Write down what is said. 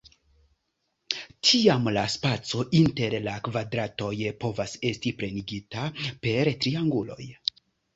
Tiam la spaco inter la kvadratoj povas esti plenigita per trianguloj.